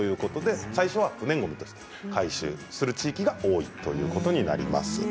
最初は不燃ごみとして回収する地域が多いということになります。